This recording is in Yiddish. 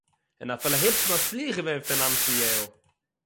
און אפילו היפּש מצליח געווען פינאַנציעל